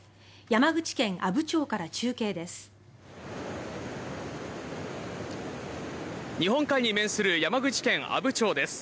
山口県阿武町から中継です。